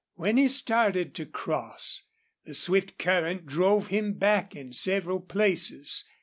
When he started to cross, the swift current drove him back in several places.